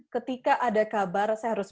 ketika ada kabar saya harus